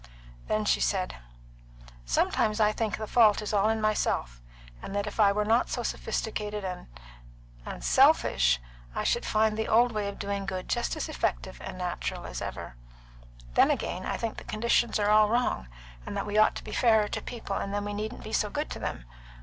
Then she said: "Sometimes I think the fault is all in myself, and that if I were not so sophisticated and and selfish, I should find the old way of doing good just as effective and natural as ever. Then again, I think the conditions are all wrong, and that we ought to be fairer to people, and then we needn't be so good to them.